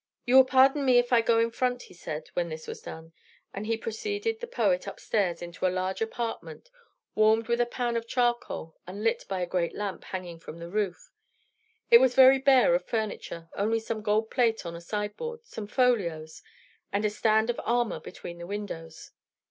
"You will pardon me if I go in front," he said, when this was done; and he preceded the poet up stairs into a large apartment, warmed with a pan of charcoal and lit by a great lamp hanging from the roof. It was very bare of furniture; only some gold plate on a sideboard; some folios; and a stand of armor between the windows.